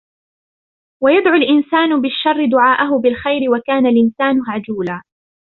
وَيَدْعُ الْإِنْسَانُ بِالشَّرِّ دُعَاءَهُ بِالْخَيْرِ وَكَانَ الْإِنْسَانُ عَجُولًا